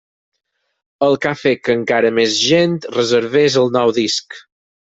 El que ha fet que encara més gent reservés el nou disc.